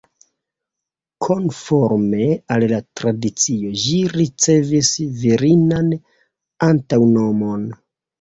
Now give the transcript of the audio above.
Konforme al la tradicio, ĝi ricevis virinan antaŭnomon.